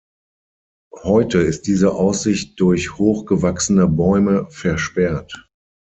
Heute ist diese Aussicht durch hoch gewachsene Bäume versperrt.